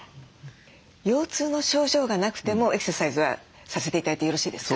腰痛の症状がなくてもエクササイズはさせて頂いてよろしいですか？